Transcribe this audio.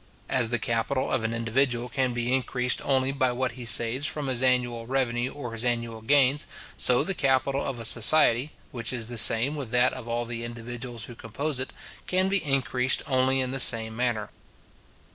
As the capital of an individual can be increased only by what he saves from his annual revenue or his annual gains, so the capital of a society, which is the same with that of all the individuals who compose it, can be increased only in the same manner.